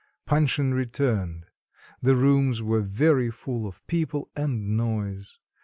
Panshin returned; the rooms were very full of people and noise.